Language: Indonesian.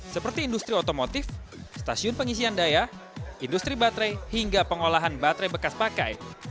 seperti industri otomotif stasiun pengisian daya industri baterai hingga pengolahan baterai bekas pakai